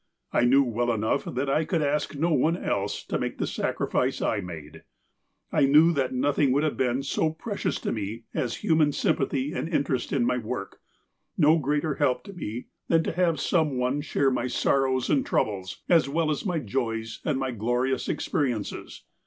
I knew well enough that I could ask no one else to make the sacrifice I made. I knew that nothing would have been so precious to me as hu man sympathy and interest in my work ; no greater help to me than to have some one share my sorrows and troubles, as well as my joys and my glorious experiences.